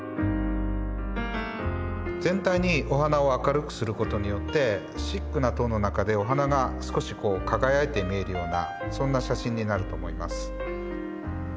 全体にお花を明るくすることによってシックなトーンの中でお花が少しこう輝いて見えるようなそんな写真になると思います。